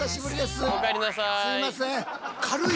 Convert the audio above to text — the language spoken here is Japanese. すいません。